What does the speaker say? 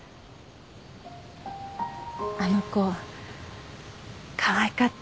あの子かわいかった。